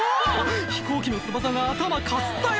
飛行機の翼が頭かすったよ！